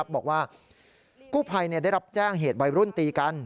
บอกว่ากู้ภัยได้รับแจ้งเหตุวัยรุ่นตีกัน